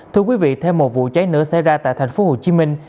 thưa quý vị theo một vụ cháy nữa xảy ra tại thành phố hồ chí minh